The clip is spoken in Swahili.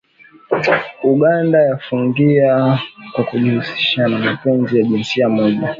Uganda yaifungia kwa kujihusishanna mapenzi ya jinsia moja